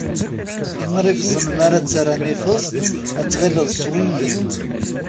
Imrifẓen mara ttarran ifeẓ, ad ttɣilleḍ swingimen.